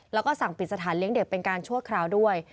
แล้วก็สั่งปิดสถานเลี้ยงเด็กเป็นการชั่วคราวด้วย